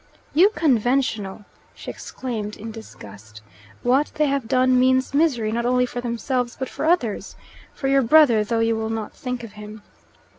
"You conventional!" she exclaimed in disgust. "What they have done means misery not only for themselves but for others. For your brother, though you will not think of him.